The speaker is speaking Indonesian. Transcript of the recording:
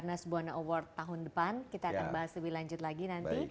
dalam garnas buayna award tahun depan kita akan bahas lebih lanjut lagi nanti